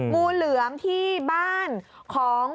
งูเหลือมที่บ้านของ